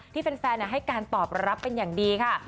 แฟนให้การตอบรับเป็นอย่างดีค่ะ